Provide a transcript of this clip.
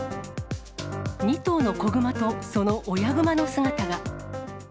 ２頭の子熊とその親熊の姿が。